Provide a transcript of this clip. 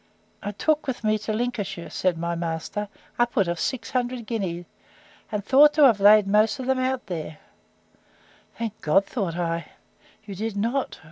I took with me, to Lincolnshire, said my master, upwards of six hundred guineas, and thought to have laid most of them out there: (Thank God, thought I, you did not!